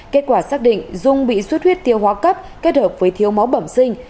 kết quả xác định dung bị suất huyết tiêu hóa cấp kết hợp với thiếu máu bẩm sinh